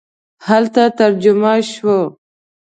هلته ترجمه شو.